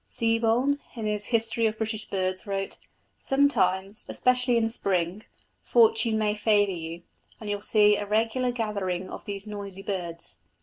Seebohm, in his History of British Birds, wrote: "Sometimes, especially in Spring, fortune may favour you, and you will see a regular gathering of these noisy birds....